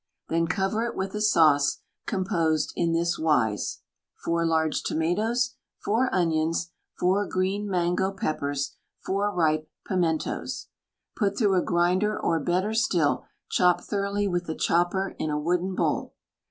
Then cover it with a sauce composed in this wise: Four large tomatoes Four onions Four green mango peppers Four ripe pimentoes Put through a grinder or better still chop thoroughly with a chopper in a wooden bowl.